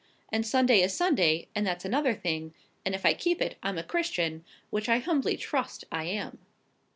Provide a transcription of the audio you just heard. And Sunday is Sunday; and that's another thing; and if I keep it, I'm a Christian, which I humbly trust I am."